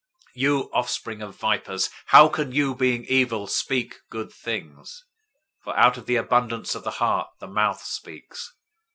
012:034 You offspring of vipers, how can you, being evil, speak good things? For out of the abundance of the heart, the mouth speaks.